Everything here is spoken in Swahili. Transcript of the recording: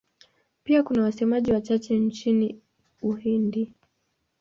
Pia kuna wasemaji wachache nchini Uhindi.